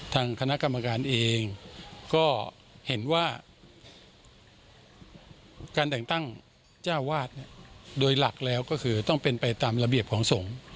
ทางคณะกรรมการเองก็เห็นว่าการแต่งตั้งเจ้าวาดโดยหลักแล้วก็คือต้องเป็นไปตามระเบียบของสงฆ์